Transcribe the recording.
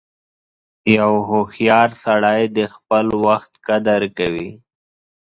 • یو هوښیار سړی د خپل وخت قدر کوي.